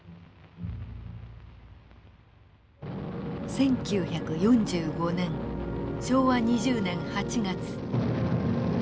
１９４５年昭和２０年８月。